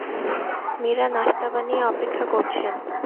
মীরা নাশতা বানিয়ে অপেক্ষা করছেন।